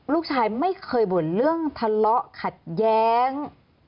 ลูกชายไม่เคยบ่นเรื่องทะเลาะขัดแย้ง